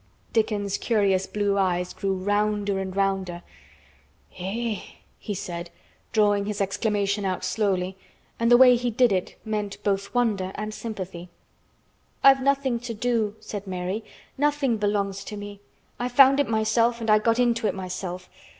Dickon's curious blue eyes grew rounder and rounder. "Eh h h!" he said, drawing his exclamation out slowly, and the way he did it meant both wonder and sympathy. "I've nothing to do," said Mary. "Nothing belongs to me. I found it myself and I got into it myself.